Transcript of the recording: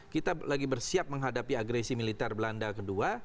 kita lagi bersiap menghadapi agresi militer belanda kedua